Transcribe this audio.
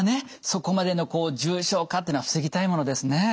そこまでの重症化というのは防ぎたいものですね。